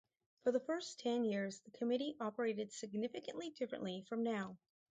For the first ten years the committee operated significantly differently from now.